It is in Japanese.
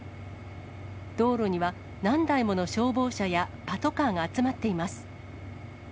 道路には、何台もの消防車やパトカーが集まっています。